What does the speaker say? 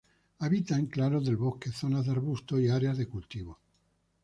Habita en claros del bosque, zonas de arbustos y áreas de cultivo.